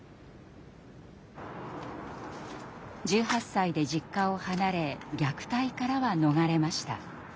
１８歳で実家を離れ虐待からは逃れました。